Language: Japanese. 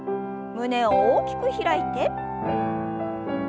胸を大きく開いて。